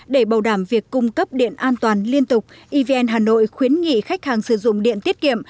để bảo đảm việc cung cấp điện an toàn liên tục evn hà nội khuyến nghị khách hàng sử dụng điện tiết kiệm